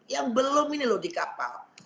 yang belum ini loh di kapal